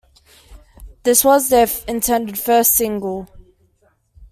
This was their intended first single.